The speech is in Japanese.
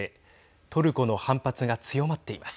トルコの反発が強まっています。